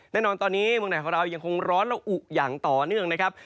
แน่นอนตอนนี้เมืองไหนของเรายังคงร้อนและอุอย่างต่อเนื่องนะครับ